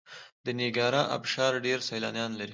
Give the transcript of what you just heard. د نیاګرا ابشار ډیر سیلانیان لري.